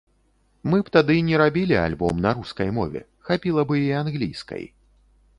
Мы б тады не рабілі альбом на рускай мове, хапіла бы і англійскай.